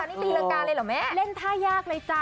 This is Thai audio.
นี่ตีรังกาเลยเหรอแม่เล่นท่ายากเลยจ้ะ